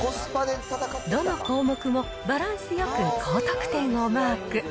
どの項目も、バランスよく高得点をマーク。